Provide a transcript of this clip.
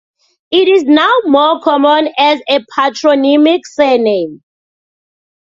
It is now more common as a patronymic surname.